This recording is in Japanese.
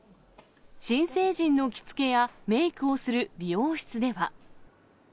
新成人の着付けやメークをする美容室では。